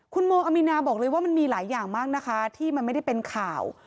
คุณโมอามีนาบอกเลยว่ามันมีหลายอย่างมากนะคะที่มันไม่ได้เป็นข่าว